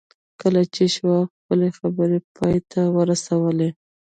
کله چې شواب خپلې خبرې پای ته ورسولې